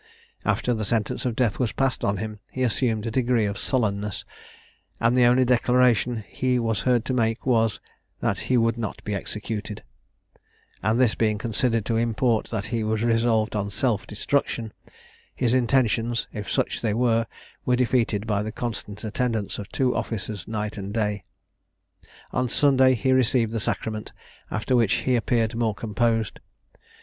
After the sentence of death was passed on him, he assumed a degree of sullenness; and the only declaration he was heard to make was, "that he would not be executed:" and this being considered to import that he was resolved on self destruction, his intentions, if such they were, were defeated by the constant attendance of two officers night and day. On Sunday he received the sacrament, after which he appeared more composed.